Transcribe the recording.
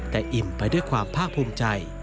แต่อิ่มไปด้วยความภาคภูมิใจ